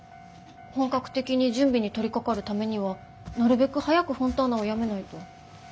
本格的に準備に取りかかるためにはなるべく早くフォンターナを辞めないと。